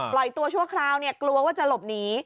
ตัวชั่วคราวเนี่ยกลัวว่าจะหลบหนี